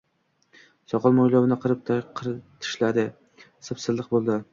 Soqol-mo‘ylovini qirib-qirtishladi, sip-silliq bo‘ldi